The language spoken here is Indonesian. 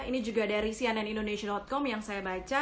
ini juga dari cnnindonesia com yang saya baca